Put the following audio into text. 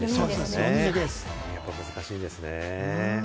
やっぱ難しいですね。